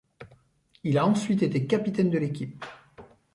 Il a ensuite été capitaine de l'équipe.